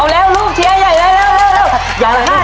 เอาแล้วลูกเชียร์ใหญ่แล้วเร็วเร็ว